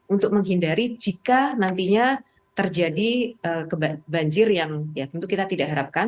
untuk menghindari jika nantinya terjadi banjir yang ya tentu kita tidak harapkan